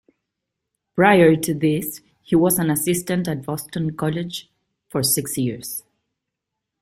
Prior to this he was an assistant at Boston College for six years.